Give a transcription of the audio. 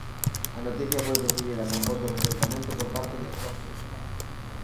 A noticia foi recibida con fondo rexeitamento por parte de toda a oposición.